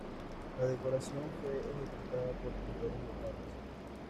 La decoración fue ejecutada por pintores locales.